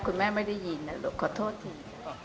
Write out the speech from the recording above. คุณแม่ไม่ได้ยินขอโทษที